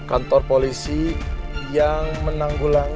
kantor polisi yang menangkan kejadian